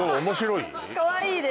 面白い？